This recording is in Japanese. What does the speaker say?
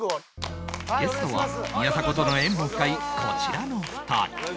ゲストは宮迫との縁も深いこちらの２人